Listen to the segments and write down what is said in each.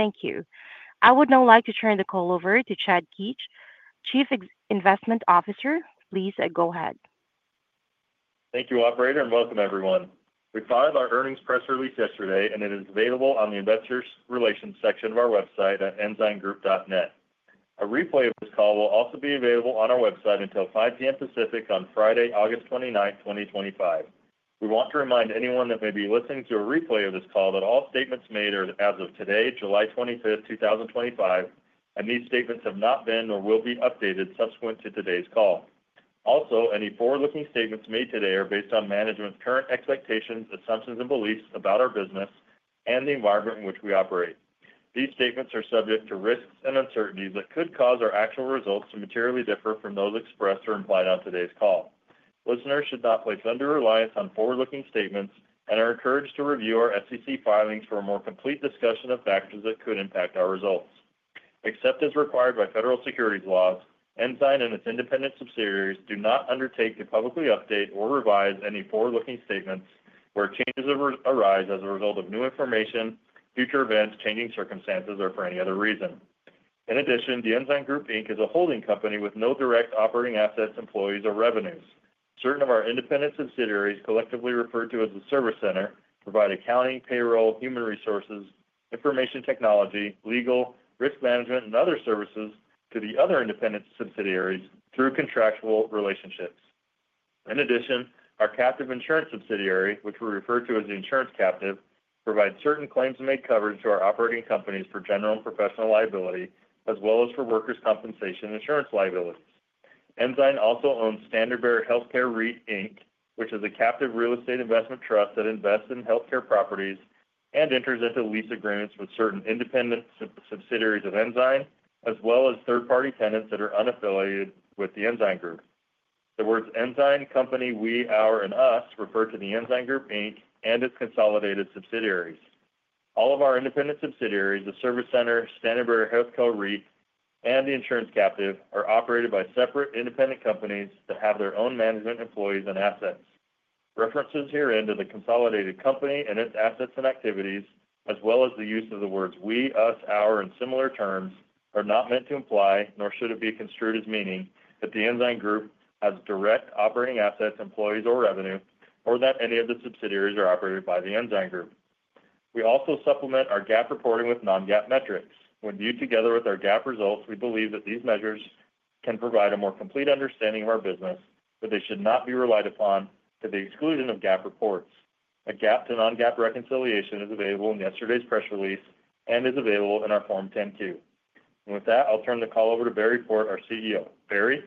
Thank you. I would now like to turn the call over to Chad Keetch, Chief Investment Officer. Please go ahead. Thank you, operator, and welcome, everyone. We filed our earnings press release yesterday, and it is available on the Investors Relations section of our website at ensigngroup.net. A replay of this call will also be available on our website until five p. M. Pacific on Friday, 08/29/2025. We want to remind anyone that may be listening to a replay of this call that all statements made are as of today, 07/25/2025, and these statements have not been or will be updated subsequent to today's call. Also, any forward looking statements made today are based on management's current expectations, assumptions and beliefs about our business and the environment in which we operate. These statements are subject to risks and uncertainties that could cause our actual results to materially differ from those expressed or implied on today's call. Listeners should not place undue reliance on forward looking statements and are encouraged to review our SEC filings for a more complete discussion of factors that could impact our results. Except as required by federal securities laws, Ensign and its independent subsidiaries do not undertake to publicly update or revise any forward looking statements where changes arise as a result of new information, future events, changing circumstances or for any other reason. In addition, The Ensign Group, Inc. Is a holding company with no direct operating assets, employees or revenues. Certain of our independent subsidiaries collectively referred to as the Service Center provide accounting, payroll, human resources, information technology, legal, risk management and other services to the other independent subsidiaries through contractual relationships. In addition, our captive insurance subsidiary, which we refer to as the insurance captive, provides certain claims made coverage to our operating companies for general and professional liability as well as for workers' compensation insurance liabilities. Ensign also owns Standard Bear Healthcare REIT, Inc, which is a captive real estate investment trust that invests in health care properties and enters into lease agreements with certain independent subsidiaries of Ensign as well as third party tenants that are unaffiliated with the Ensign Group. The words Ensign, company, we, our and us refer to the Ensign Group Inc. And its consolidated subsidiaries. All of our independent subsidiaries, the Service Center, Standerberry HealthCo REIT and the insurance captive are operated by separate independent companies that have their own management employees and assets. References herein to the consolidated company and its assets and activities as well as the use of the words we, us, our and similar terms are not meant to imply nor should it be construed as meaning that The Ensign Group has direct operating assets, employees or revenue or that any of the subsidiaries are operated by The Ensign Group. We also supplement our GAAP reporting with non GAAP metrics. When viewed together with our GAAP results, we believe that these measures can provide a more complete understanding of our business, but they should not be relied upon to the exclusion of GAAP reports. A GAAP to non GAAP reconciliation is available in yesterday's press release and is available in our Form 10 Q. And with that, I'll turn the call over to Barry Port, our CEO. Barry?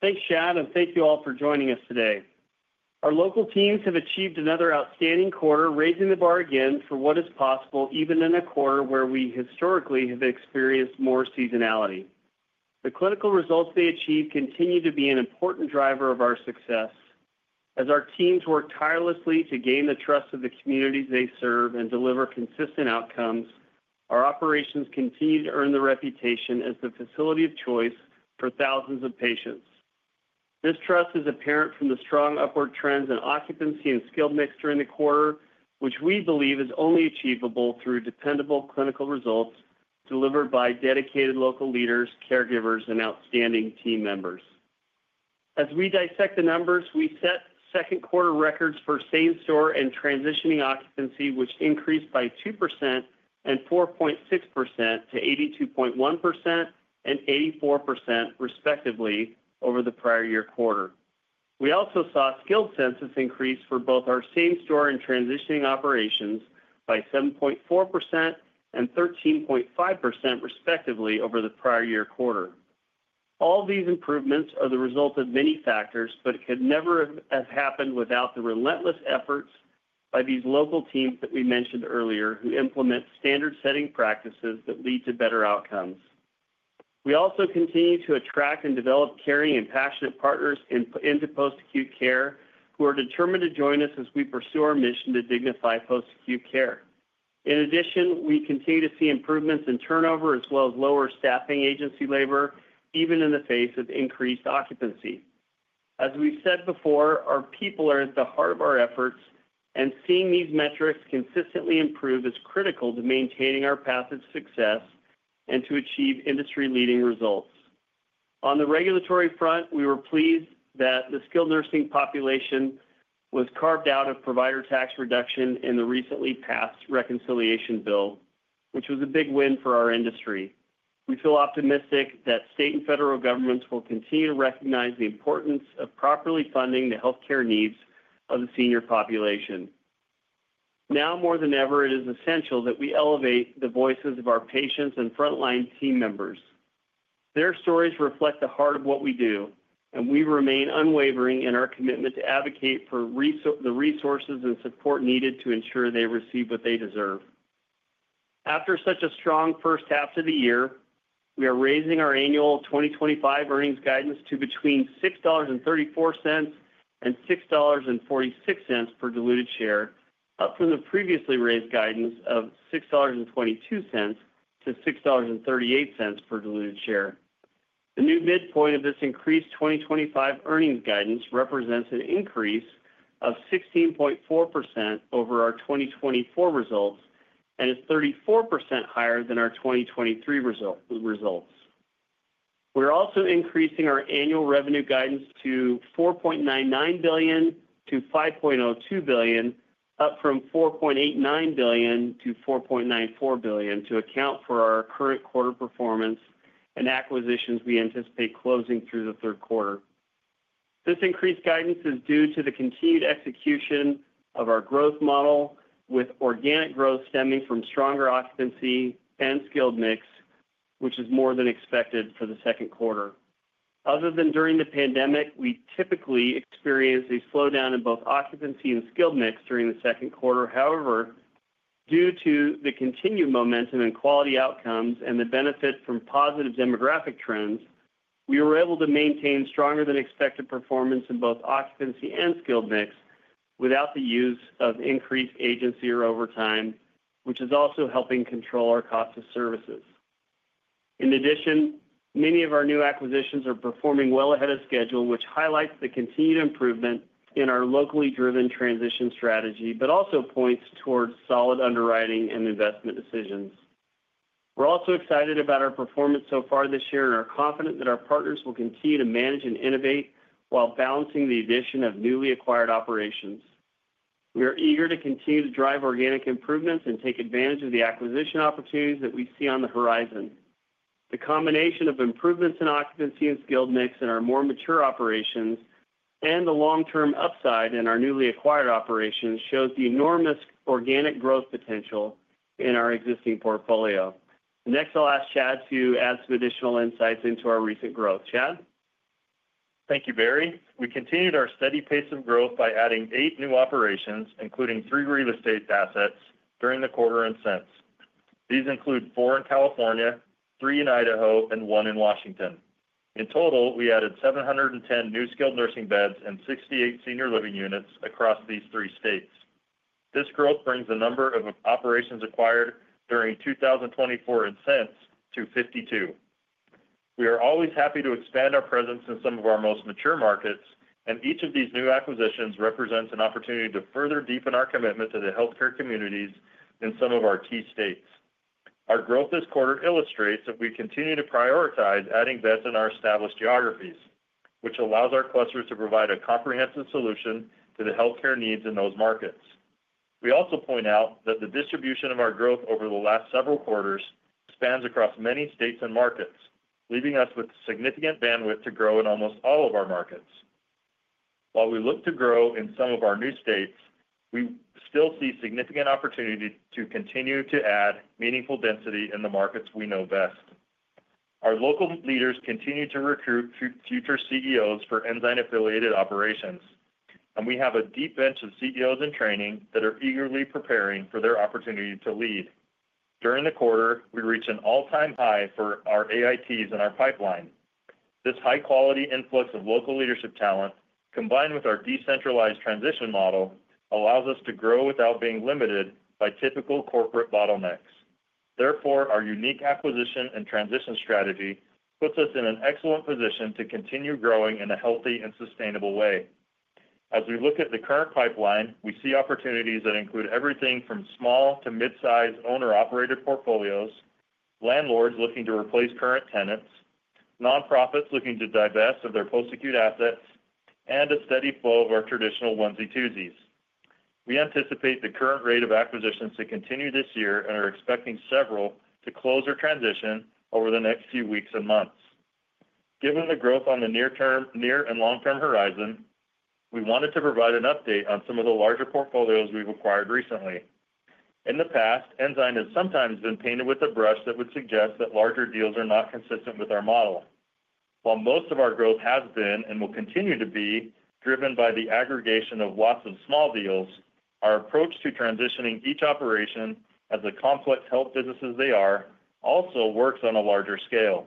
Thanks, Chad, and thank you all for joining us today. Our local teams have achieved another outstanding quarter, raising the bar again for what is possible even in a quarter where we historically have experienced more seasonality. The clinical results they achieved continue to be an important driver of our success. As our teams work tirelessly to gain the trust of the communities they serve and deliver consistent outcomes, our operations continue to earn the reputation as the facility of choice for thousands of patients. This trust is apparent from the strong upward trends in occupancy and skilled mix during the quarter, which we believe is only achievable through dependable clinical results delivered by dedicated local leaders, caregivers, and outstanding team members. As we dissect the numbers, we set second quarter records for same store and transitioning occupancy, which increased by 24.6% to 82.184% respectively over the prior year quarter. We also saw skilled census increase for both our same store and transitioning operations by 7.413.5% respectively over the prior year quarter. All these improvements are the result of many factors, but it could never have happened without the relentless efforts by these local teams that we mentioned earlier who implement standard setting practices that lead to better outcomes. We also continue to attract and develop caring and passionate partners in into post acute care who are determined to join us as we pursue our mission to dignify post acute care. In addition, we continue to see improvements in turnover as well as lower staffing agency labor even in the face of increased occupancy. As we said before, our people are at the heart of our efforts, and seeing these metrics consistently improve is critical to maintaining our path of success and to achieve industry leading results. On the regulatory front, we were pleased that the skilled nursing population was carved out of provider tax reduction in the recently passed reconciliation bill, which was a big win for our industry. We feel optimistic that state and federal governments will continue to recognize the importance of properly funding the health care needs of the senior population. Now more than ever, is essential that we elevate the voices of our patients and frontline team members. Their stories reflect the heart of what we do, and we remain unwavering in our commitment to advocate for the resources and support needed to ensure they receive what they deserve. After such a strong first half of the year, we are raising our annual 2025 earnings guidance to between $6.34 and $6.46 per diluted share, up from the previously raised guidance of $6.22 to $6.38 per diluted share. The new midpoint of this increased 2025 earnings guidance represents an increase of 16.4% over our 2024 results and is 34% higher than our 2023 results. We're also increasing our annual revenue guidance to $4,990,000,000 to $5,020,000,000 up from $4,890,000,000 to $4,940,000,000 to account for our current quarter performance and acquisitions we anticipate closing through the third quarter. This increased guidance is due to the continued execution of our growth model with organic growth stemming from stronger occupancy and skilled mix, which is more than expected for the second quarter. Other than during the pandemic, we typically experienced a slowdown in both occupancy and skilled mix during the second quarter. However, due to the continued momentum and quality outcomes and the benefit from positive demographic trends, we were able to maintain stronger than expected performance in both occupancy and skilled mix without the use of increased agency or overtime, which is also helping control our cost of services. In addition, many of our new acquisitions are performing well ahead of schedule, which highlights the continued improvement in our locally driven transition strategy, but also points towards solid underwriting and investment decisions. We're also excited about our performance so far this year and are confident that our partners will continue to manage and innovate while balancing the addition of newly acquired operations. We are eager to continue to drive organic improvements and take advantage of the acquisition opportunities that we see on the horizon. The combination of improvements in occupancy and skilled mix in our more mature operations and the long term upside in our newly acquired operations shows the enormous organic growth potential in our existing portfolio. Next, I'll ask Chad to add some additional insights into our recent growth. Chad? Thank you, Barry. We continued our steady pace of growth by adding eight new operations, including three real estate assets during the quarter and since. These include four in California, three in Idaho and one in Washington. In total, we added seven ten new skilled nursing beds and 68 senior living units across these three states. This growth brings the number of operations acquired during 2024 in Sense to 52. We are always happy to expand our presence in some of our most mature markets and each of these new acquisitions represents an opportunity to further deepen our commitment to the healthcare communities in some of our key states. Our growth this quarter illustrates that we continue to prioritize adding beds in our established geographies, which allows our clusters to provide a comprehensive solution to the health care needs in those markets. We also point out that the distribution of our growth over the last several quarters spans across many states and markets, leaving us with significant bandwidth to grow in almost all of our markets. While we look to grow in some of our new states, we still see significant opportunity to continue to add meaningful density in the markets we know best. Our local leaders continue to recruit future CEOs for Ensign affiliated operations, and we have a deep bench of CEOs in training that are eagerly preparing for their opportunity to lead. During the quarter, we reached an all time high for our AITs in our pipeline. This high quality influx of local leadership talent combined with our decentralized transition model allows us to grow without being limited by typical corporate bottlenecks. Therefore, our unique acquisition and transition strategy puts us in an excellent position to continue growing in a healthy and sustainable way. As we look at the current pipeline, we see opportunities that include everything from small to mid sized owner operated portfolios, landlords looking to replace current tenants, non profits looking to divest of their post acute assets and a steady flow of our traditional onesie twosies. We anticipate the current rate of acquisitions to continue this year and are expecting several to close or transition over the next few weeks and months. Given the growth on the near term near and long term horizon, we wanted to provide an update on some of the larger portfolios we've acquired recently. In the past, Ensign has sometimes been painted with a brush that would suggest that larger deals are not consistent with our model. While most of our growth has been and will continue to be driven by the aggregation of lots of small deals, our approach to transitioning each operation as the complex health businesses they are also works on a larger scale.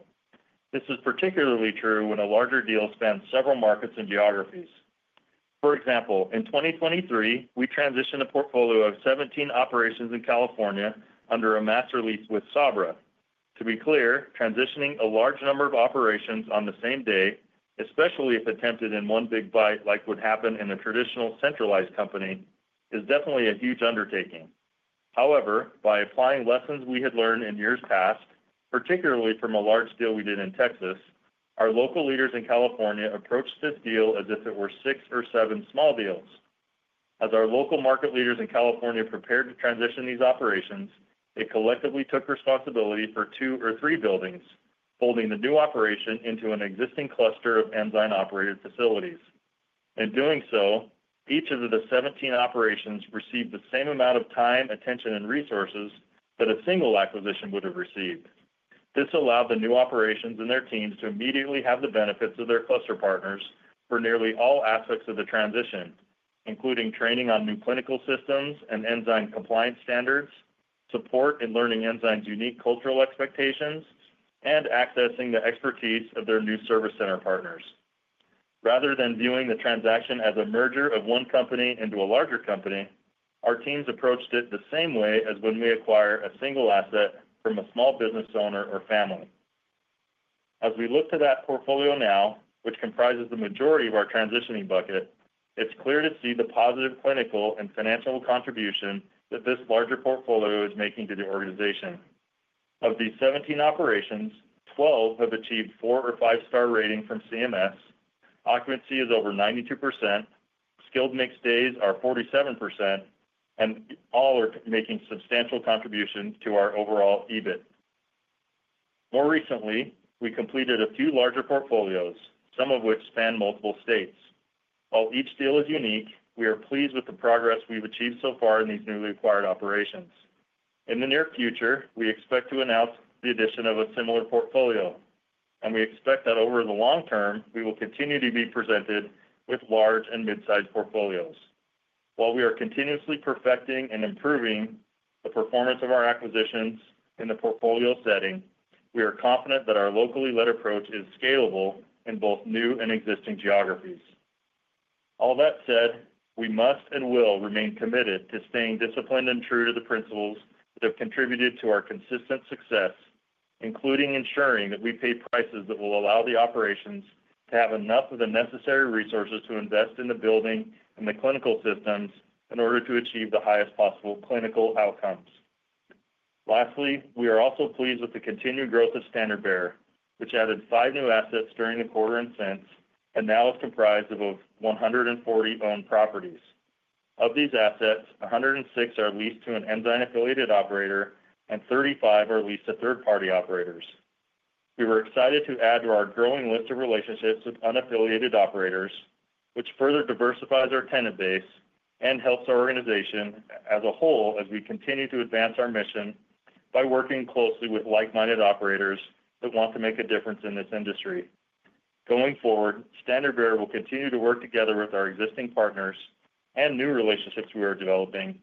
This is particularly true when a larger deal spans several markets and geographies. For example, in 2023, we transitioned a portfolio of 17 operations in California under a master lease with Sabra. To be clear, transitioning a large number of operations on the same day, especially if attempted in one big bite like would happen in a traditional centralized company, is definitely a huge undertaking. However, by applying lessons we had learned in years past, particularly from a large deal we did in Texas, our local leaders in California approached this deal as if it were six or seven small deals. As our local market leaders in California prepared to transition these operations, they collectively took responsibility for two or three buildings, holding the new operation into an existing cluster of Ensign operated facilities. In doing so, each of the 17 operations received the same amount of time, attention and resources that a single acquisition would have received. This allowed the new operations and their teams to immediately have the benefits of their cluster partners for nearly all aspects of the transition, including training on new clinical systems and Ensign compliance standards, support in learning Ensign's unique cultural expectations and accessing the expertise of their new service center partners. Rather than viewing the transaction as a merger of one company into a larger company, our teams approached it the same way as when we acquire a single asset from a small business owner or family. As we look to that portfolio now, which comprises the majority of our transitioning bucket, it's clear to see the positive clinical and financial contribution that this larger portfolio is making to the organization. Of these 17 operations, 12 have achieved four or five star rating from CMS, occupancy is over 92%, skilled mix days are 47%, and all are making substantial contributions to our overall EBIT. More recently, we completed a few larger portfolios, some of which span multiple states. While each deal is unique, we are pleased with the progress we've achieved so far in these newly acquired operations. In the near future, we expect to announce the addition of a similar portfolio, and we expect that over the long term, we will continue to be presented with large and mid sized portfolios. While we are continuously perfecting and improving the performance of our acquisitions in the portfolio setting, we are confident that our locally led approach is scalable in both new and existing geographies. All that said, we must and will remain committed to staying disciplined and true to the principles that have contributed to our consistent success, including ensuring that we pay prices that will allow the operations to have enough of the necessary resources to invest in the building and the clinical systems in order to achieve the highest possible clinical outcomes. Lastly, we are also pleased with the continued growth of Standard Bear, which added five new assets during the quarter and since and now is comprised of 140 owned properties. Of these assets, 106 are leased to an Ensign affiliated operator and 35 are leased to third party operators. We were excited to add to our growing list of relationships with unaffiliated operators, which further diversifies our tenant base and helps our organization as a whole as we continue to advance our mission by working closely with like minded operators that want to make a difference in this industry. Going forward, Standard Bear will continue to work together with our existing partners and new relationships we are developing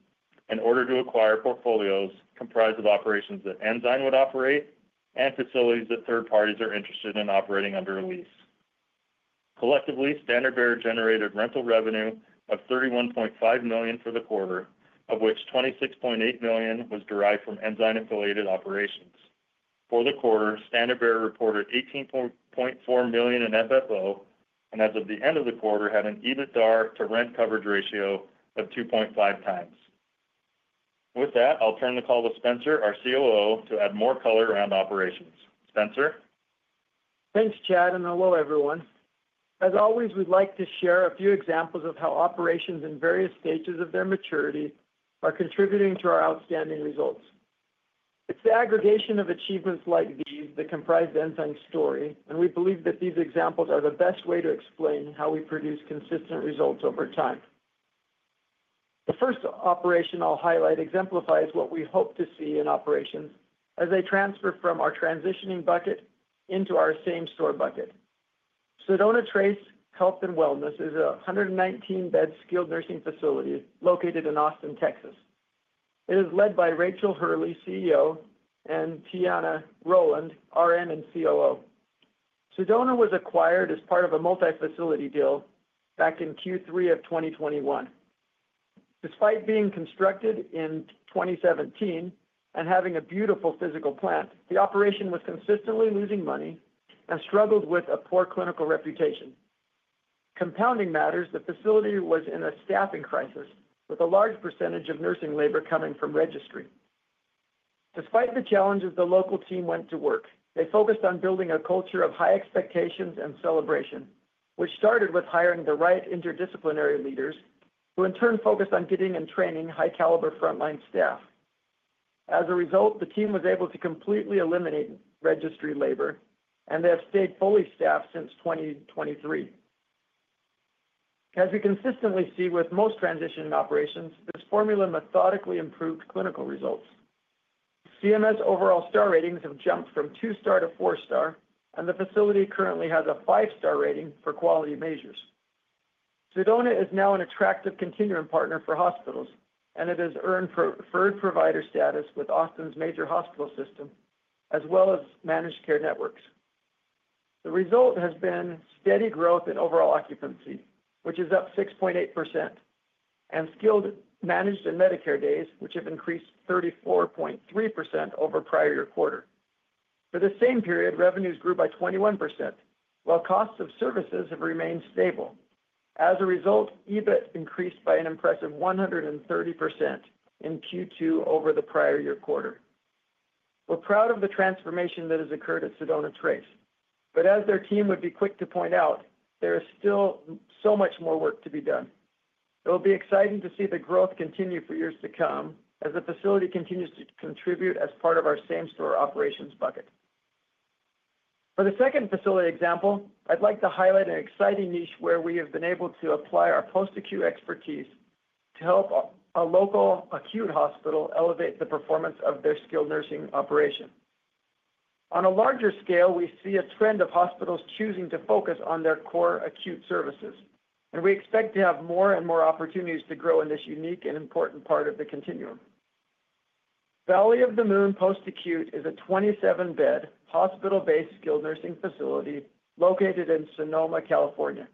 in order to acquire portfolios comprised of operations that Ensign would operate and facilities that third parties are interested in operating under a lease. Collectively, Standard Bear generated rental revenue of $31,500,000 for the quarter, of which $26,800,000 was derived from Ensign affiliated operations. For the quarter, Standard Bear reported 18,400,000 in FFO and as of the end of the quarter had an EBITDAR to rent coverage ratio of 2.5x. With that, I'll turn the call to Spencer, our COO, to add more color around operations. Spencer? Thanks, Chad, and hello, everyone. As always, we'd like to share a few examples of how operations in various stages of their maturity are contributing to our outstanding results. It's the aggregation of achievements like these that comprise Ensign's story, and we believe that these examples are the best way to explain how we produce consistent results over time. The first operation I'll highlight exemplifies what we hope to see in operations as they transfer from our transitioning bucket into our same store bucket. Sedona Trace Health and Wellness is a 119 bed skilled nursing facility located in Austin, Texas. It is led by Rachel Hurley, CEO and Tiana Rowland, RN and COO. Sedona was acquired as part of a multi facility deal back in Q3 of twenty twenty one. Despite being constructed in 2017 and having a beautiful physical plant, the operation was consistently losing money and struggled with a poor clinical reputation. Compounding matters, the facility was in a staffing crisis with a large percentage of nursing labor coming from registry. Despite the challenges, the local team went to work. They focused on building a culture of high expectations and celebration, which started with hiring the right interdisciplinary leaders who in turn focused on getting and training high caliber frontline staff. As a result, the team was able to completely eliminate registry labor and they have stayed fully staffed since 2023. As we consistently see with most transitioning operations, this formula methodically improved clinical results. CMS overall star ratings have jumped from two star to four star, and the facility currently has a five star rating for quality measures. Sedona is now an attractive continuing partner for hospitals, and it has earned preferred provider status with Austin's major hospital system as well as managed care networks. The result has been steady growth in overall occupancy, which is up 6.8%, and skilled managed and Medicare days, which have increased 34.3% over prior year quarter. For the same period, revenues grew by 21%, while cost of services have remained stable. As a result, EBIT increased by an impressive 130% in Q2 over the prior year quarter. We're proud of the transformation that has occurred at Sedona Trace, but as their team would be quick to point out, there is still so much more work to be done. It will be exciting to see the growth continue for years to come as the facility continues to contribute as part of our same store operations bucket. For the second facility example, I'd like to highlight an exciting niche where we have been able to apply our post acute expertise to help a local acute hospital elevate the performance of their skilled nursing operation. On a larger scale, we see a trend of hospitals choosing to focus on their core acute services, and we expect to have more and more opportunities to grow in this unique and important part of the continuum. Valley Of The Moon Post Acute is a 27 bed hospital based skilled nursing facility located in Sonoma, California.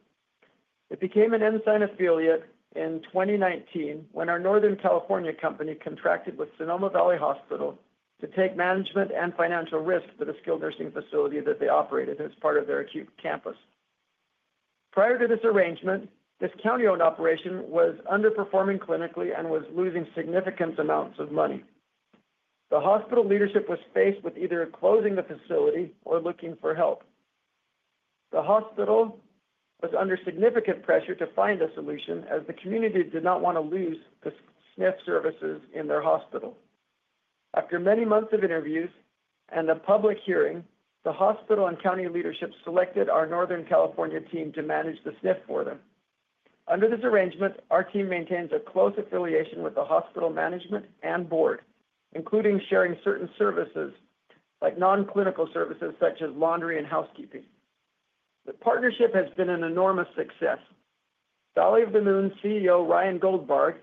It became an Ensign affiliate in 2019 when our Northern California company contracted with Sonoma Valley Hospital to take management and financial risk for the skilled nursing facility that they operated as part of their acute campus. Prior to this arrangement, this county owned operation was underperforming clinically and was losing significant amounts of money. The hospital leadership was faced with either closing the facility or looking for help. The hospital was under significant pressure to find a solution as the community did not want to lose the SNF services in their hospital. After many months of interviews and a public hearing, the hospital and county leadership selected our Northern California team to manage the SNF for them. Under this arrangement, our team maintains a close affiliation with the hospital management and board, including sharing certain services like non clinical services such as laundry and housekeeping. The partnership has been an enormous success. Dolly of the Moon's CEO, Ryan Goldbard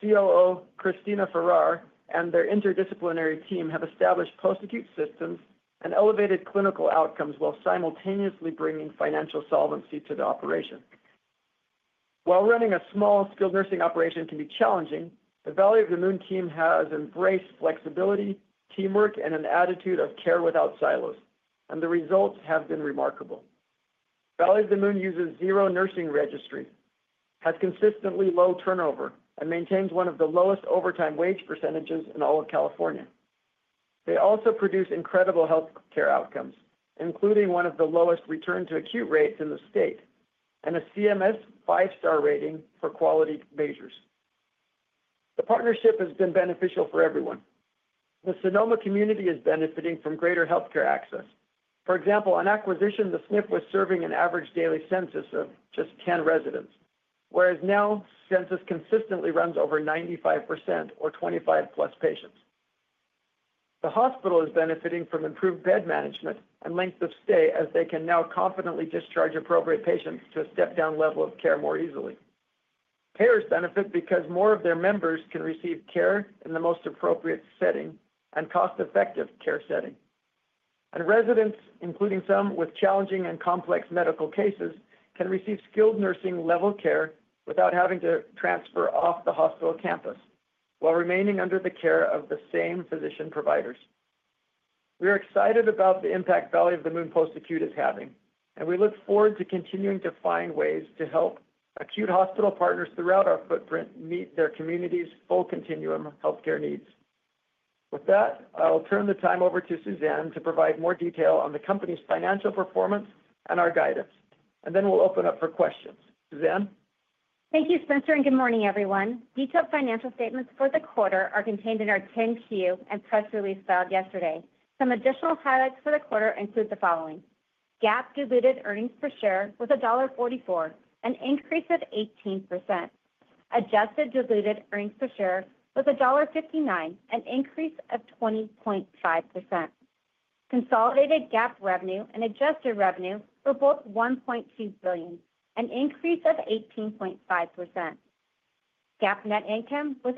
COO, Christina Ferrer and their interdisciplinary team have established post acute systems and elevated clinical outcomes while simultaneously bringing financial solvency to the operation. While running a small skilled nursing operation can be challenging, the Valley of the Moon team has embraced flexibility, teamwork and an attitude of care without silos, and the results have been remarkable. Valley of the Moon uses zero nursing registry, has consistently low turnover, and maintains one of the lowest overtime wage percentages in all of California. They also produce incredible healthcare outcomes, including one of the lowest return to acute rates in the state and a CMS five star rating for quality measures. The partnership has been beneficial for everyone. The Sonoma community is benefiting from greater health care access. For example, on acquisition, the SNP was serving an average daily census of just 10 residents, whereas now census consistently runs over 95% or 25 plus patients. The hospital is benefiting from improved bed management and length of stay as they can now confidently discharge appropriate patients to a step down level of care more easily. Payers benefit because more of their members can receive care in the most appropriate setting and cost effective care setting. And residents, including some with challenging and complex medical cases, can receive skilled nursing level care without having to transfer off the hospital campus while remaining under the care of the same physician providers. We are excited about the impact Valley of the Moon Post Acute is having, and we look forward to continuing to find ways to help acute hospital partners throughout our footprint meet their communities' full continuum of health care needs. With that, I will turn the time over to Suzanne to provide more detail on the company's financial performance and our guidance, And then we'll open up for questions. Suzanne? Thank you, Spencer, and good morning, everyone. Detailed financial statements for the quarter are contained in our 10 Q and press release filed yesterday. Some additional highlights for the quarter include the following: GAAP diluted earnings per share was $1.44 an increase of 18% adjusted diluted earnings per share was $1.59 an increase of 20.5 Consolidated GAAP revenue and adjusted revenue were both $1,200,000,000 an increase of 18.5%. GAAP net income was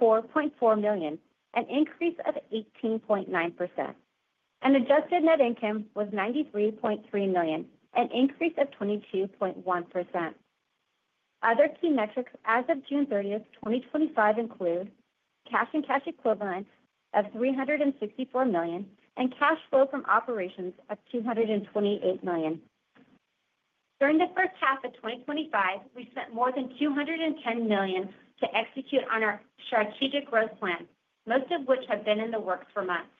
$84,400,000 an increase of 18.9% and adjusted net income was $93,300,000 an increase of 22.1%. Other key metrics as of 06/30/2025 include cash and cash equivalents of $364,000,000 and cash flow from operations of $228,000,000 During the first half of twenty twenty five, we spent more than $210,000,000 to execute on our strategic growth plan, most of which have been in the works for months.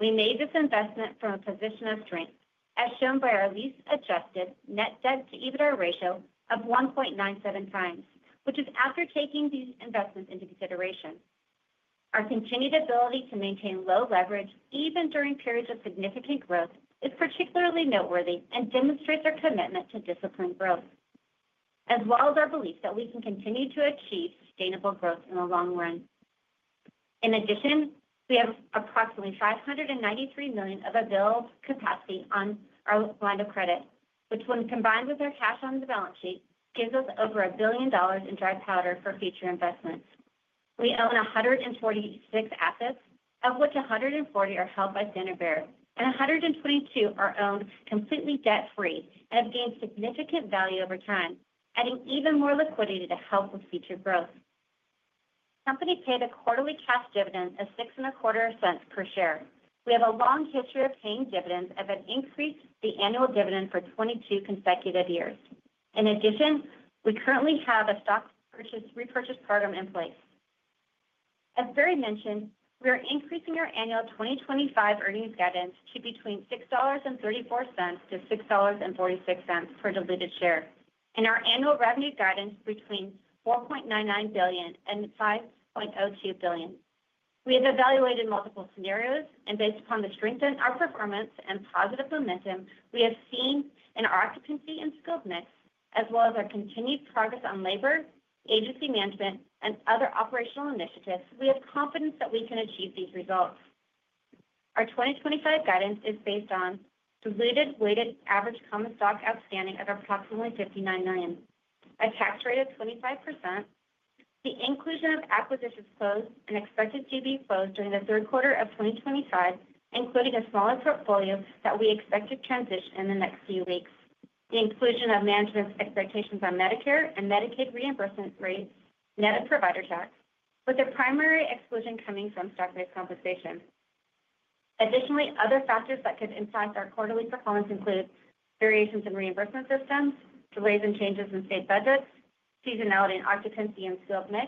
We made this investment from a position of strength, as shown by our lease adjusted net debt to EBITDA ratio of 1.97x, which is after taking these investments into consideration. Our continued ability to maintain low leverage even during periods of significant growth is particularly noteworthy and demonstrates our commitment to disciplined growth as well as our belief that we can continue to achieve sustainable growth in the long run. In addition, we have approximately five ninety three million dollars of a billed capacity on our line of credit, which when combined with our cash on the balance sheet gives us over $1,000,000,000 in dry powder for future investments. We own a 146 assets, of which a 140 are held by Center Bear, and a 122 are owned completely debt free and have gained significant value over time, adding even more liquidity to help with future growth. Company paid a quarterly cash dividend of $0.06 $25 per share. We have a long history of paying dividends as it increased the annual dividend for twenty two consecutive years. In addition, we currently have a stock repurchase program in place. As Barry mentioned, we are increasing our annual 2025 earnings guidance to between $6.34 to $6.46 per diluted share and our annual revenue guidance between 4,990,000,000.00 and 5,020,000,000.00. We have evaluated multiple scenarios, and based upon the strength in our performance and positive momentum we have seen in our occupancy and skilled mix as well as our continued progress on labor, agency management, and other operational initiatives, we have confidence that we can achieve these results. Our 2025 guidance is based on diluted weighted average common stock outstanding of approximately $59,000,000 a tax rate of 25% the inclusion of acquisitions closed and expected to be closed during the third quarter of twenty twenty five, including a smaller portfolio that we expect to transition in the next few weeks the inclusion of management's expectations on Medicare and Medicaid reimbursement rates, net of provider checks, with the primary exclusion coming from stock based compensation. Additionally, other factors that could impact our quarterly performance include variations in reimbursement systems, delays and changes in state budgets, seasonality in occupancy and sales mix,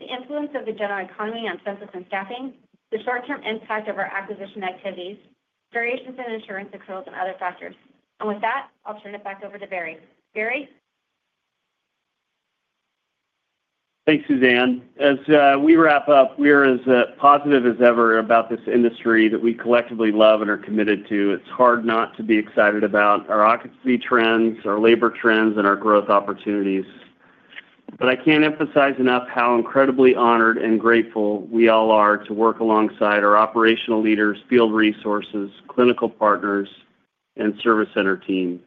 the influence of the general economy on census and staffing, the short term impact of our acquisition activities, variations in insurance accruals and other factors. And with that, I'll turn it back over to Barry. Barry? Thanks, Suzanne. As, we wrap up, we are as positive as ever about this industry that we collectively love and are committed to. It's hard not to be excited about our occupancy trends, our labor trends, and our growth opportunities. But I can't emphasize enough how incredibly honored and grateful we all are to work alongside our operational leaders, field resources, clinical partners and service center team.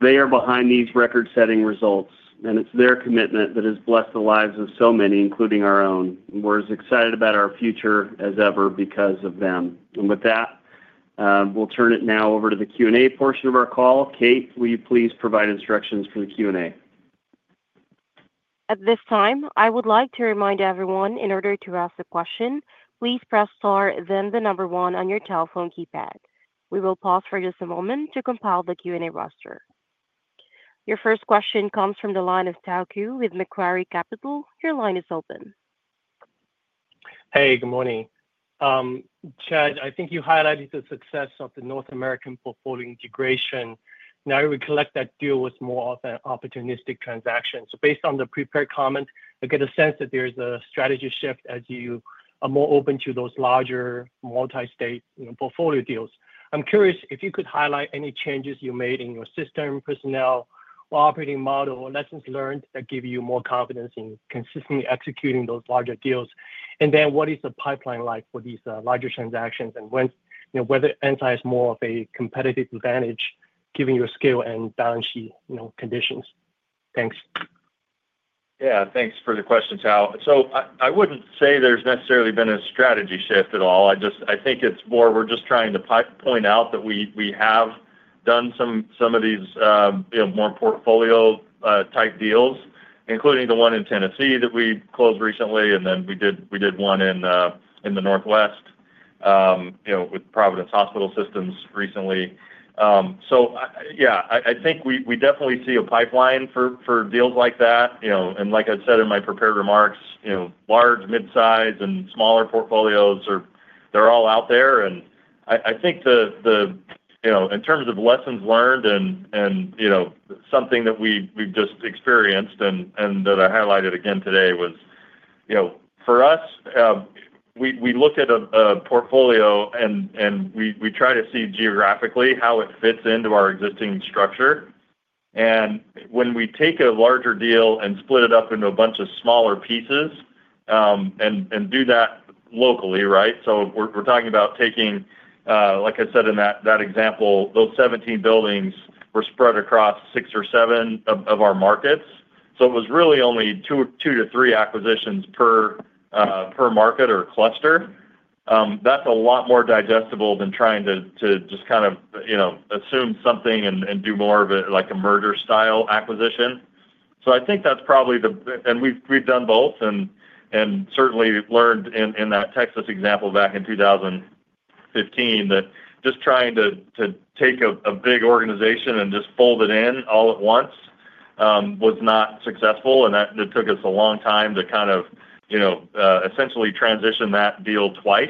They are behind these record setting results, and it's their commitment that has blessed the lives of so many, including our own. We're as excited about our future as ever because of them. And with that, we'll turn it now over to the q and a portion of our call. Kate, will you please provide instructions for the Q and A? Your first question comes from the line of Tao Qu with Macquarie Capital. Your line is open. Hey, good morning. Chad, I think you highlighted the success of the North American portfolio integration. Now we collect that deal with more of an opportunistic transaction. So based on the prepared comments, I get a sense that there's a strategy shift as you are more open to those larger multistate portfolio deals. I'm curious if you could highlight any changes you made in your system, personnel, operating model, or lessons learned that give you more confidence in consistently executing those larger deals. And then what is the pipeline like for these larger transactions and when, whether Anti is more of a competitive advantage given your scale and balance sheet conditions? Yes. Thanks for the question, Tal. So I wouldn't say there's necessarily been a strategy shift at all. I just I think it's more we're just trying to point out that we have done some of these more portfolio type deals, including the one in Tennessee that we closed recently. And then we did one in the Northwest with Providence Hospital Systems recently. So yes, I think we definitely see a pipeline for deals like that. And like I said in my prepared remarks, large, midsize and smaller portfolios are they're all out there. And I think the in terms of lessons learned and something that we've just experienced and that I highlighted again today was for us, look at a portfolio and we try to see geographically how it fits into our existing structure. And when we take a larger deal and split it up into a bunch of smaller pieces and do that locally, right? So we're talking about taking, like I said in that example, those 17 buildings were spread across six or seven of our markets. So it was really only two to three acquisitions per market or cluster. That's a lot more digestible than trying to to just kind of, you know, assume something and and do more of it like a merger style acquisition. So I think that's probably the and we've we've done both and and certainly learned in that Texas example back in 2015 that just trying to take a big organization and just fold it in all at once was not successful, and that took us a long time to kind of essentially transition that deal twice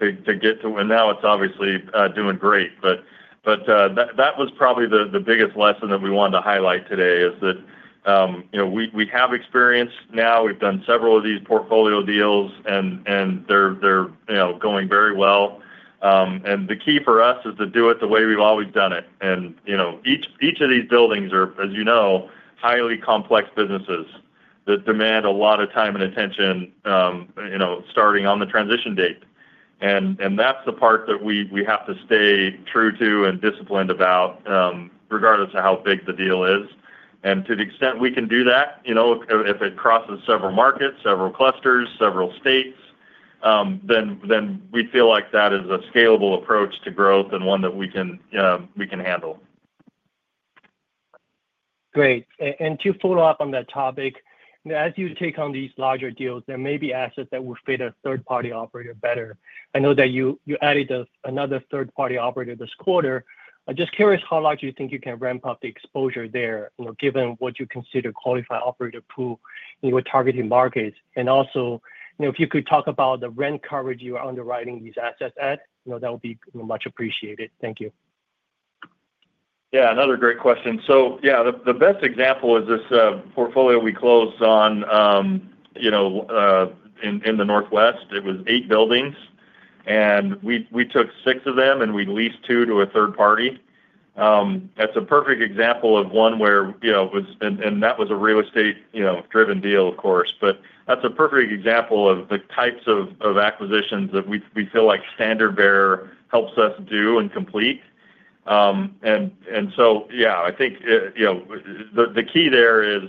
to get to and now it's obviously doing great. But that was probably the biggest lesson that we wanted to highlight today is that we have experience now. We've done several of these portfolio deals, and they're going very well. And the key for us is to do it the way we've always done it. And each of these buildings are, as you know, highly complex businesses that demand a lot of time and attention, you know, starting on the transition date. And and that's the part that we we have to stay true to and disciplined about regardless of how big the deal is. And to the extent we can do that, if it crosses several markets, several clusters, several states, then we feel like that is a scalable approach to growth and one that we can handle. Great. And to follow-up on that topic, as you take on these larger deals, there may be assets that will fit a third party operator better. I know that you added another third party operator this quarter. Just curious how large do you think you can ramp up the exposure there given what you consider qualified operator pool in your targeted markets? And also, if you could talk about the rent coverage you are underwriting these assets at, that would be much appreciated. Yes. Another great question. So yes, the best example is this portfolio we closed on in the Northwest. It was eight buildings. And we took six of them, and we leased two to a third party. That's a perfect example of one where that was a real estate driven deal, of course. But that's a perfect example of the types of acquisitions that we feel like standard bearer helps us do and complete. And so, yes, I think the key there is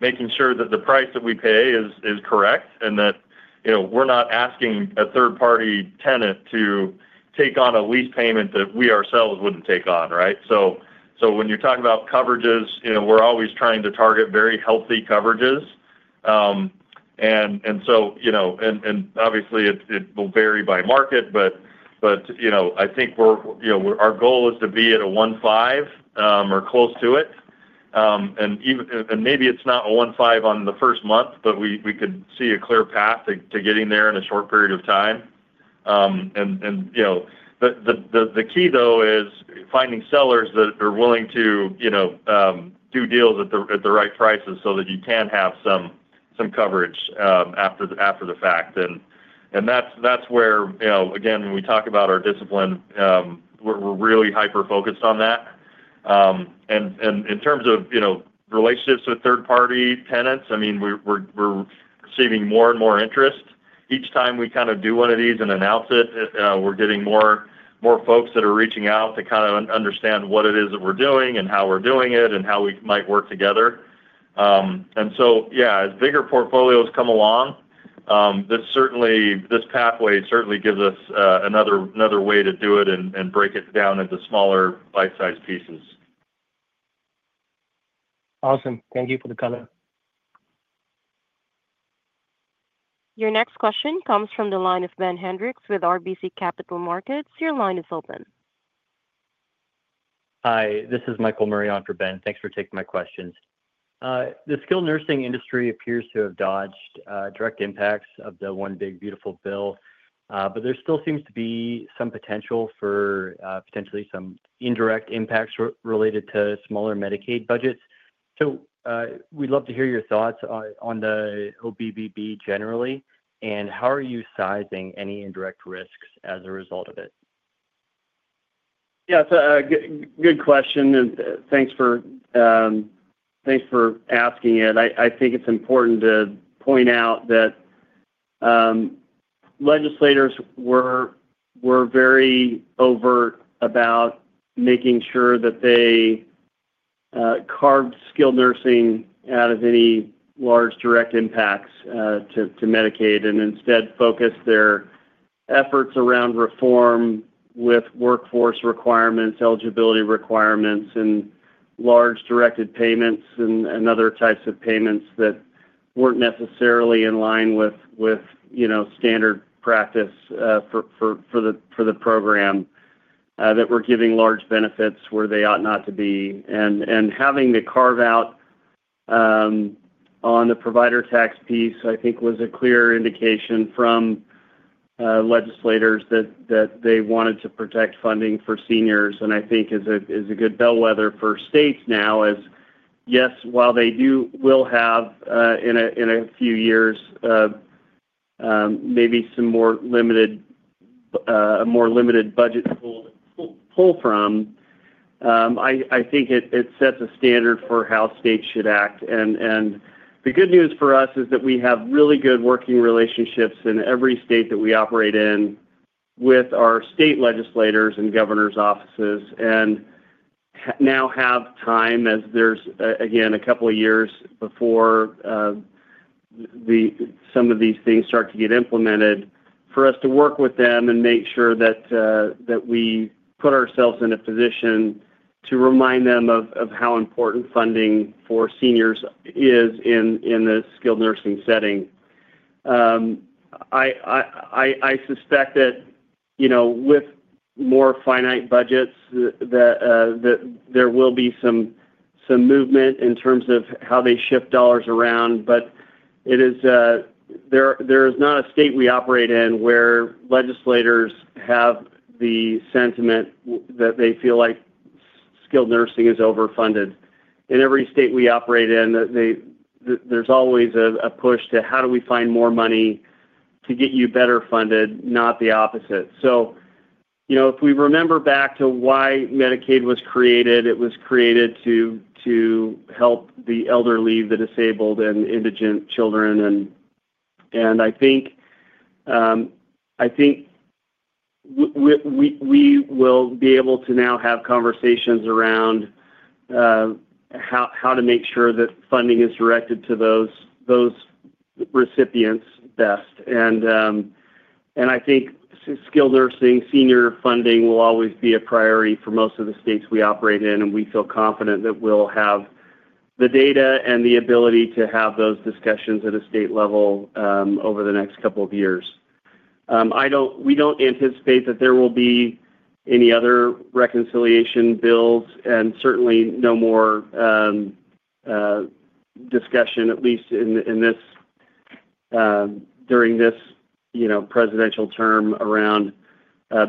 making sure that the price that we pay is correct and that we're not asking a third party tenant to take on a lease payment that we ourselves wouldn't take on, right? So when you're talking about coverages, we're always trying to target very healthy coverages. And so and obviously, it will vary by market, but I think our goal is to be at a 1.5% or close to it. And maybe it's not a 1.5% on the first month, but we could see a clear path to getting there in a short period of time. And the key though is finding sellers that are willing to do deals at the right prices so that you can have some coverage after the fact. And that's where, again, when we talk about our discipline, we're really hyper focused on that. And in terms of relationships with third party tenants, I mean, we're receiving more and more interest. Each time we kind of do one of these and announce it, we're getting more folks that are reaching out to kind of understand what it is that we're doing and how we're doing it and how we might work together. And so, yes, as bigger portfolios come along, this certainly this pathway certainly gives us another way to do it and break it down into smaller bite sized pieces. Awesome. Thank you for the color. Your next question comes from the line of Ben Hendrix with RBC Capital Markets. Your line is open. Hi. This is Michael Murray on for Ben. Thanks for taking my questions. The skilled nursing industry appears to have dodged direct impacts of the one big beautiful bill, but there still seems to be some potential for potentially some indirect impacts related to smaller Medicaid budgets. So, we'd love to hear your thoughts on the OBBB generally. And how are you sizing any indirect risks as a result of it? Yeah. It's a good question. And thanks for asking it. I I think it's important to point out that legislators were were very overt about making sure that they carved skilled nursing out of any large direct impacts to Medicaid and instead focus their efforts around reform with workforce requirements, eligibility requirements, and large directed payments and other types of payments that weren't necessarily in line with standard practice for the program, that we're giving large benefits where they ought not to be. And having the carve out, on the provider tax piece, I think, was a clear indication from, legislators that they wanted to protect funding for seniors and I think is a good bellwether for states now as, yes, while they do will have in few years maybe some more limited budget pull from, I I think it it sets a standard for how states should act. And and the good news for us is that we have really good working relationships in every state that we operate in with our state legislators and governor's offices and now have time as there's, again, a couple of years before the some of these things start to get implemented for us to work with them and make sure that that we put ourselves in a position to remind them of of how important funding for seniors is in in the skilled nursing setting. I I I suspect that, you know, with more finite budgets that that there will be some some movement in terms of how they shift dollars around, but it is, there there is not a state we operate in where legislators have the sentiment that they feel like skilled nursing is overfunded. In every state we operate in, there's always a push to how do we find more money to get you better funded, not the opposite. So, you know, if we remember back to why Medicaid was created, it was created to to help the elderly, the disabled, and indigent children. And and I think I think we we we will be able to now have conversations around how to make sure that funding is directed to those recipients best. And I think skilled nursing senior funding will always be a priority for most of the states we operate in, and we feel confident that we'll have the data and the ability to have those discussions at a state level over the next couple of years. We don't anticipate that there will be any other reconciliation bills and certainly no more discussion at least this during this presidential term around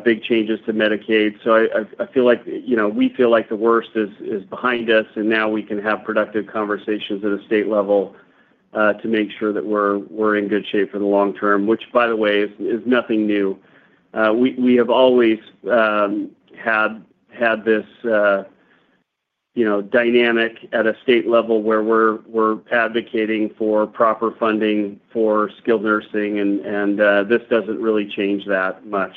big changes to Medicaid. So I feel like we feel like the worst is behind us and now we can have productive conversations at a state level to make sure that we're in good shape for the long term, which by the way is nothing new. We have always had this you know, dynamic at a state level where we're we're advocating for proper funding for skilled nursing, and and, this doesn't really change that much.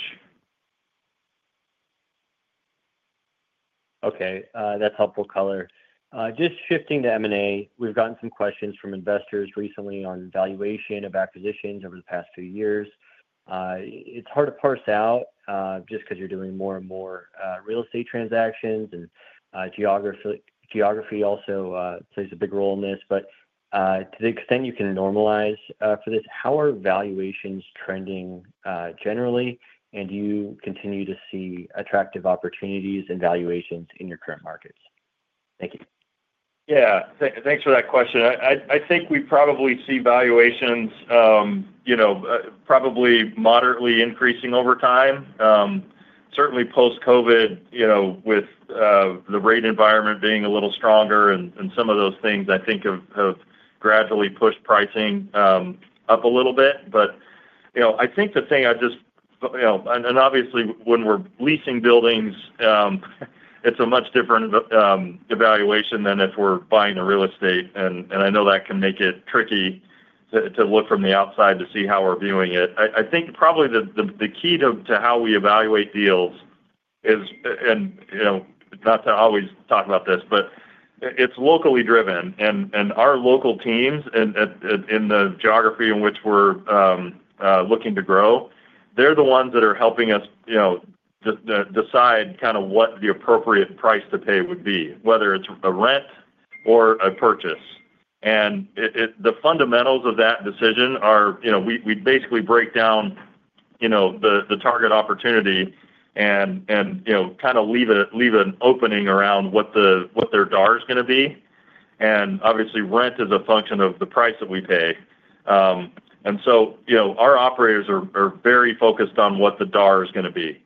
Okay. That's helpful color. Just shifting to m and a, we've gotten some questions from investors recently on valuation of acquisitions over the past few years. It's hard to parse out, just because you're doing more and more, real estate transactions and geography also plays a big role in this. But to the extent you can normalize for this, how are valuations trending generally? And do you continue to see attractive opportunities and valuations in your current markets? Thank you. Yes. Thanks for that question. I think we probably see valuations probably moderately increasing over time. Certainly post COVID, with the rate environment being a little stronger and some of those things I think have gradually pushed pricing up a little bit. But I think the thing I just and obviously when we're leasing buildings, it's a much different evaluation than if we're buying a real estate. I know that can make it tricky to look from the outside to see how we're viewing it. I think probably the key to how we evaluate deals is and not to always talk about this, but it's locally driven. And our local teams in the geography in which we're looking to grow, they're the ones that are helping us decide kind of what the appropriate price to pay would be, whether it's a rent or a purchase. And the fundamentals of that decision are we basically break down the target opportunity and kind of leave an opening around what their DAR is going to be. And obviously, rent is a function of the price that we pay. And so our operators are very focused on what the DAR is going to be.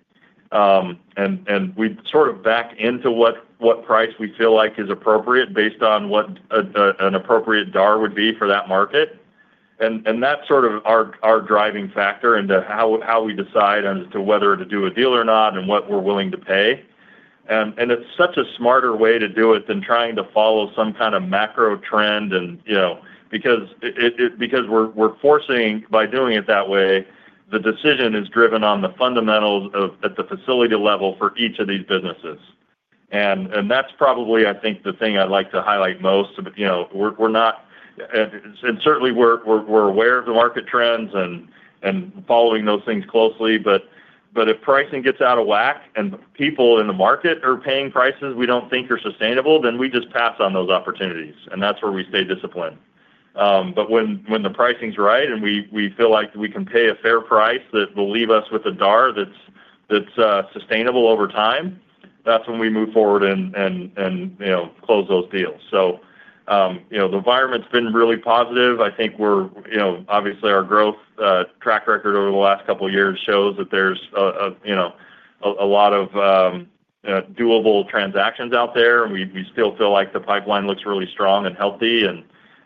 And we sort of back into what price we feel like is appropriate based on what an appropriate DAR would be for that market. And that's sort of our driving factor into how we decide as to whether to do a deal or not and what we're willing to pay. And it's such a smarter way to do it than trying to follow some kind of macro trend and because we're forcing by doing it that way, the decision is driven on the fundamentals of at the facility level for each of these businesses. And that's probably I think the thing I'd like to highlight most. We're not and certainly, we're aware of the market trends and following those things closely. If pricing gets out of whack and people in the market are paying prices we don't think are sustainable, then we just pass on those opportunities, and that's where we stay disciplined. But when the pricing is right and we feel like we can pay a fair price that will leave us with a DAR that's sustainable over time, that's when we move forward and close those deals. The environment has been really positive. I think we're obviously, our growth track record over the last couple of years shows that there's a lot of doable transactions out there. We still feel like the pipeline looks really strong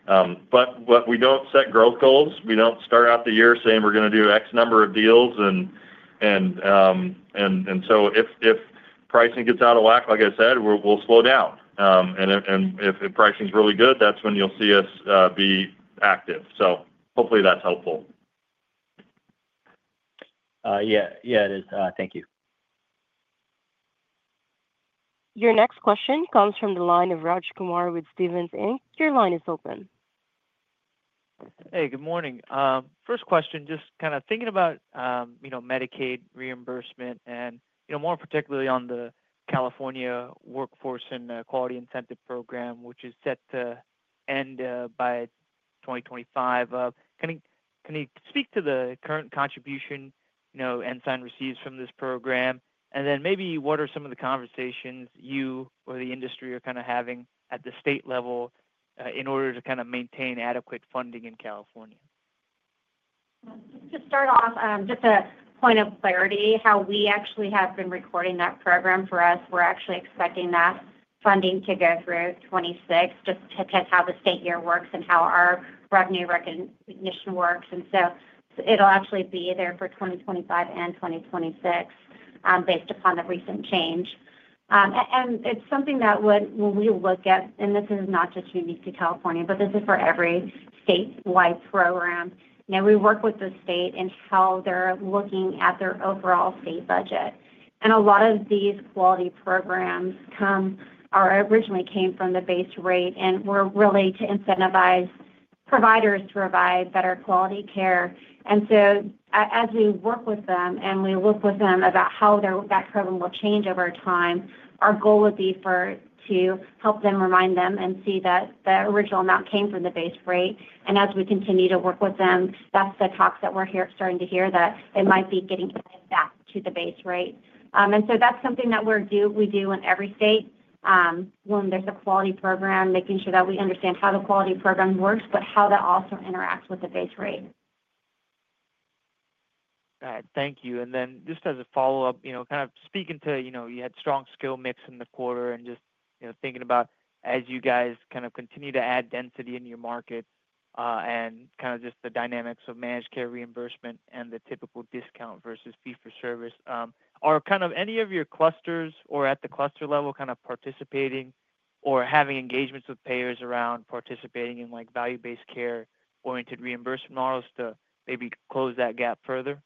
But we don't set growth goals. We don't start out the year saying we're going to do x number of deals. And so if pricing gets out of whack, like I said, we'll slow down. And if pricing is really good, that's when you'll see us be active. So hopefully, that's helpful. Yes. Yes, is. Thank you. Your next question comes from the line of Raj Kumar with Stephens Inc. Your line is open. Hey, good morning. First question, just kind of thinking about Medicaid reimbursement and more particularly on the California Workforce and Quality Incentive Program, which is set to end by 2025. Can you speak to the current contribution Ensign receives from this program? And then maybe what are some of the conversations you or the industry are kinda having at the state level in order to kinda maintain adequate funding in California? To start off, just a point of clarity, how we actually have been recording that program for us. We're actually expecting that funding to go through '26 just to test how the state year works and how our revenue recognition works. And so it'll actually be there for 2025 and 2026 based upon the recent change. And it's something that would when we look at and this is not just unique to California, but this is for every statewide program. Now, we work with the state in how they're looking at their overall state budget. And a lot of these quality programs come or originally came from the base rate and were really to incentivize providers to provide better quality care. And so as we work with them and we look with them about how their that problem will change over time, our goal would be for to help them, remind them, and see that the original amount came from the base rate. And as we continue to work with them, that's the talks that we're here starting to hear that they might be getting back to the base rate. And so that's something that we're do we do in every state when there's a quality program, making sure that we understand how the quality program works, but how that also interact with the base rate. Got it. Thank you. And then just as a follow-up, kind of speaking to you had strong skill mix in the quarter and just thinking about as you guys kind of continue to add density in your market and kind of just the dynamics of managed care reimbursement and the typical discount versus fee for service. Are kind of any of your clusters or at the cluster level kind of participating or having engagements with payers around participating in, like, value based care oriented reimbursement models to maybe close that gap further?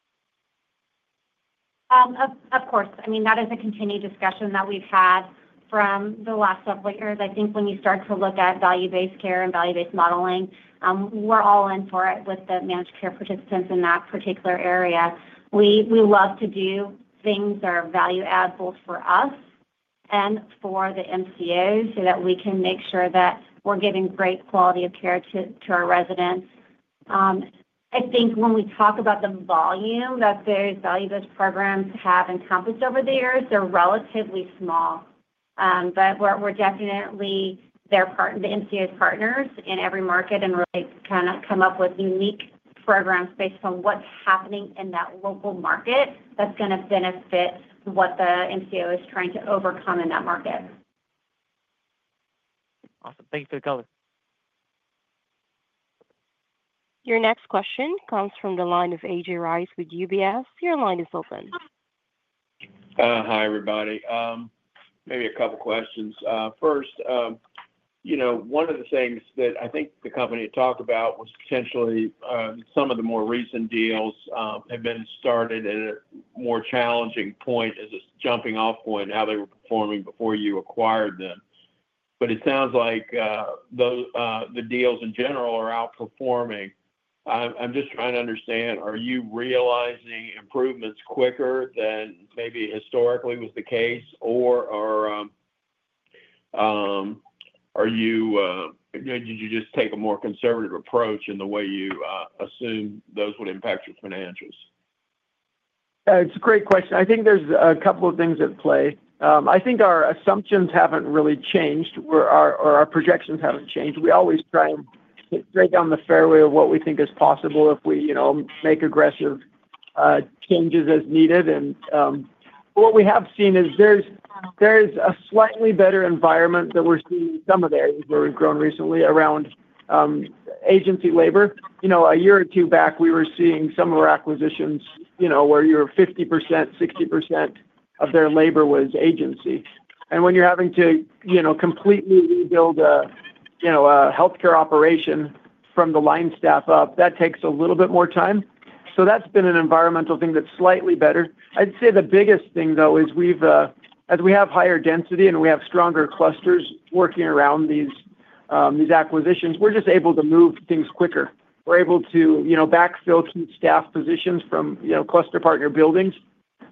Of of course. I mean, that is a continued discussion that we've had from the last couple of years. I think when you start to look at value based care and value based modeling, we're all in for it with the managed care participants in that particular area. We we love to do things that are value add both for us and for the MCOs so that we can make sure that we're giving great quality of care to to our residents. I think when we talk about the volume that those value those programs have encompassed over the years, they're relatively small. But we're we're definitely their part the NCO's partners in every market and really kinda come up with unique programs based on what's happening in that local market that's gonna benefit what the NCO is trying to overcome in that market. Awesome. Thanks for the color. Your next question comes from the line of AJ Rice with UBS. Your line is open. Hi, everybody. Maybe a couple of questions. First, you know, one of the things that I think the company talked about was potentially, some of the more recent deals, have been started at a more challenging point as it's jumping off point, how they were performing before you acquired them. But it sounds like the deals in general are outperforming. I'm I'm just trying to understand. Are you realizing improvements quicker than maybe historically was the case? Or are are you you know, did you just take a more conservative approach in the way you assume those would impact your financials? It's a great question. I think there's a couple of things at play. I think our assumptions haven't really changed. We're our our projections haven't changed. We always try and break down the fairway of what we think is possible if we, you know, make aggressive changes as needed. And what we have seen is there's there's a slightly better environment that we're seeing some of that where we've grown recently around, agency labor. You know, a year or two back, we were seeing some of our acquisitions, you know, where you're 50%, 60% of their labor was agency. And when you're having to, you know, completely rebuild a, you know, a health care operation from the line staff up, that takes a little bit more time. So that's been an environmental thing that's slightly better. I'd say the biggest thing, though, is we've, as we have higher density and we have stronger clusters working around these acquisitions, we're just able to move things quicker. We're able to backfill key staff positions from cluster partner buildings.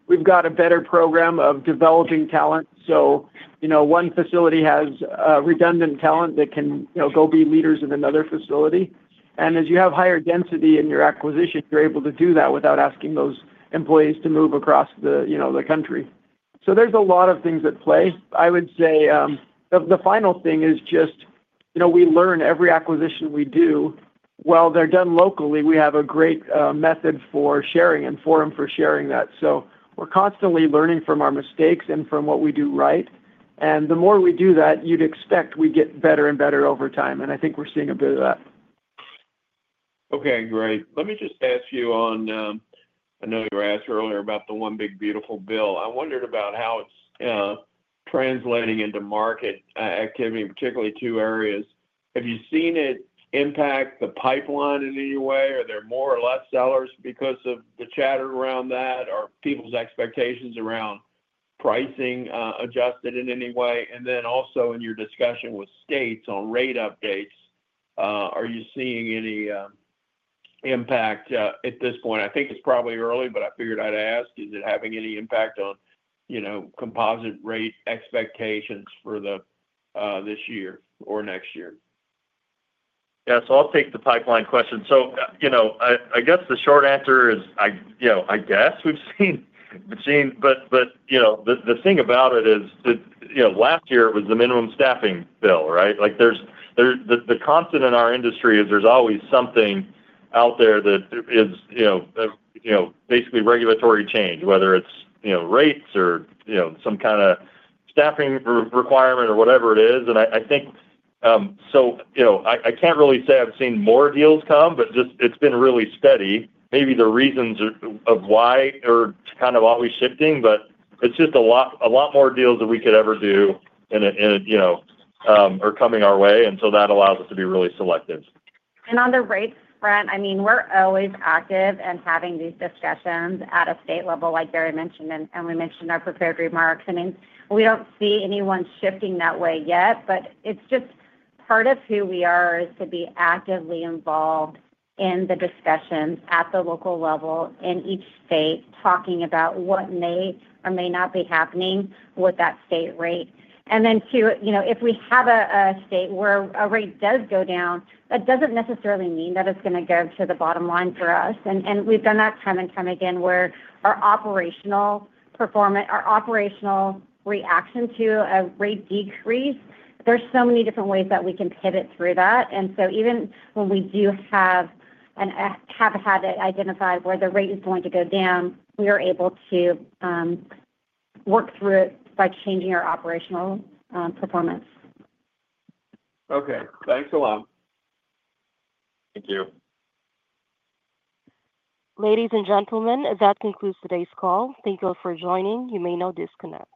We've got a better program of developing talent. One facility has redundant talent that can go be leaders in another facility. And as you have higher density in your acquisition, you're able to do that without asking those employees to move across the, you know, the country. So there's a lot of things at play. I would say, the the final thing is just, you know, we learn every acquisition we do. While they're done locally, we have a great, method for sharing and forum for sharing that. So we're constantly learning from our mistakes and from what we do right. And the more we do that, you'd expect we get better and better over time, and I think we're seeing a bit of that. Okay. Great. Let me just ask you on, I know you asked earlier about the one big beautiful bill. I wondered about how it's, translating into market, activity, particularly two areas. Have you seen it impact the pipeline in any way? Are there more or less sellers because of the chatter around that or people's expectations around pricing adjusted in any way? And then also in your discussion with states on rate updates, are you seeing any impact at this point? I think it's probably early, but I figured I'd ask, is it having any impact on composite rate expectations for this year or next year? Yeah. So I'll take the pipeline question. So, you know, I I guess the short answer is, you know, I guess, we've seen we've seen but but, you know, the the thing about it is that, you know, last year, it was the minimum staffing bill. Right? Like, there's there's the the constant in our industry is there's always something out there that is, you know, you know, basically regulatory change, whether it's, you know, rates or, you know, some kind of staffing requirement or whatever it is. And I I think so, you know, I I can't really say I've seen more deals come, but just it's been really steady. Maybe the reasons of why are kind of always shifting, but it's just a lot a lot more deals that we could ever do and and, you know, are coming our way. And so that allows us to be really selective. And on the rates front, I mean, we're always active and having these discussions at a state level, like Gary mentioned, and and we mentioned in our prepared remarks. I mean, we don't see anyone shifting that way yet, but it's just part of who we are is to be actively involved in the discussions at the local level in each state, talking about what may or may not be happening with that state rate. And then two, you know, if we have a a state where a rate does go down, that doesn't necessarily mean that it's gonna go to the bottom line for us. And and we've done that time and time again where our operational perform our operational reaction to a rate decrease, there's so many different ways that we can pivot through that. And so even when we do have and have had it identified where the rate is going to go down, we are able to work through it by changing our operational performance. Okay. Thanks a lot. Thank you. Ladies and gentlemen, that concludes today's call. Thank you all for joining. You may now disconnect.